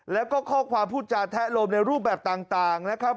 แล้วก็ข้อความพูดจาแทะโลมในรูปแบบต่างนะครับ